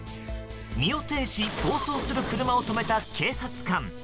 身を挺し、暴走する車を止めた警察官。